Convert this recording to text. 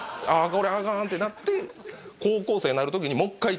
これあかんってなって高校生になる時にもっかい